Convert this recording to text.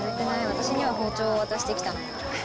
私には包丁を渡して来たのに。